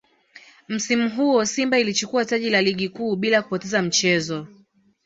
Msimu huo Simba ilichukua taji la Ligi Kuu bila kupoteza mchezo